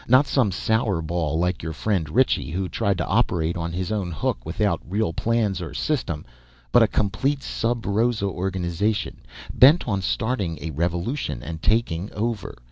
Not some sourball like your friend Ritchie, who tried to operate on his own hook, without real plans or system, but a complete sub rosa organization, bent on starting a revolution and taking over.